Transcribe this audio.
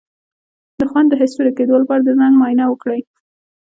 د خوند د حس د ورکیدو لپاره د زنک معاینه وکړئ